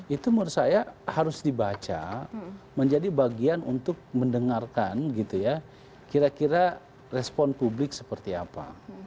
itu menurut saya harus dibaca menjadi bagian untuk mendengarkan gitu ya kira kira respon publik seperti apa